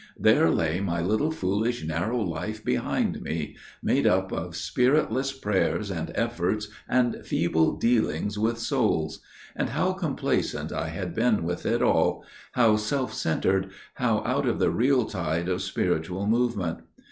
There lay my little foolish narrow life behind me, made up of spiritless prayers and efforts and feeble dealings with souls; and how complacent I had been with it all, how self centred, how out of the real tide of spiritual movement!